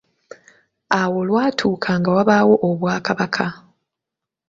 Awo lwatuuka nga wabaawo obwakabaka.